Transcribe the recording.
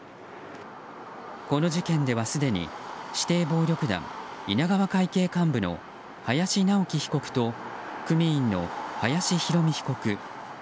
この事件ではすでに指定暴力団稲川会系幹部の林直樹被告と組員の林弘美被告。